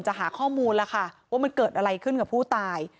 หาข้อมูลแล้วค่ะว่ามันเกิดอะไรขึ้นกับผู้ตาย